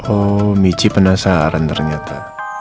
oh michi penasaran ternyata